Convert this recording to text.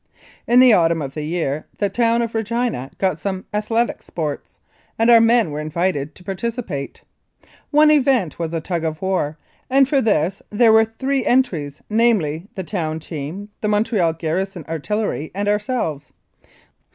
In the autumn of the year the town of Regina got up some athletic sports, and our men were invited to participate. One event was a tug of war, and for this there were three entries namely, the town team, the Montreal Garrison Artillery, and ourselves.